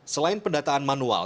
selain pendataan manual